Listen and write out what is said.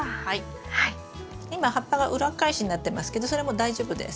今葉っぱが裏っ返しになってますけどそれも大丈夫です。